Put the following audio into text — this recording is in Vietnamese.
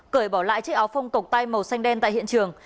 cởi bỏ lại chiếc áo phông cổng tay màu xanh đen tại hiện trường